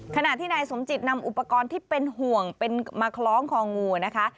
ขณะที่นายสมจิตนำอุปกรณ์ที่เป็นห่วงเป็นมาคล้องคองูนะคะ